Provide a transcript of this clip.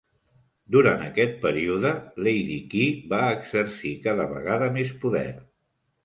Durant aquest període, Lady Ki va exercir cada vegada més poder.